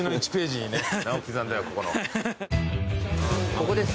ここです。